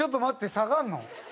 下がるの？